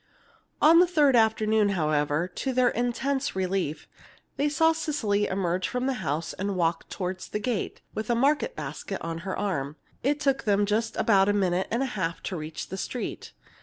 On the third afternoon, however, to their intense relief, they saw Cecily emerge from the house and walk toward the gate, with the market basket on her arm. It took them just about a minute and a half to reach the street.